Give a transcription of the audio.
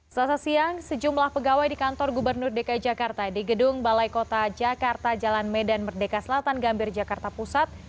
selasa siang sejumlah pegawai di kantor gubernur dki jakarta di gedung balai kota jakarta jalan medan merdeka selatan gambir jakarta pusat